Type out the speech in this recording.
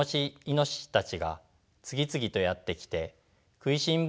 いのししたちが次々とやって来てくいしん